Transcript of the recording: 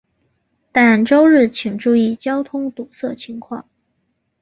但周日请注意交通堵塞情况。